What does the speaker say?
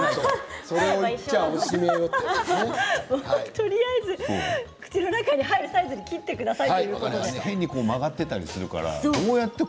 とりあえず口の中に入るサイズに切ってください。